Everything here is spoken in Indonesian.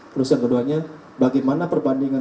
terus yang keduanya bagaimana perbandingan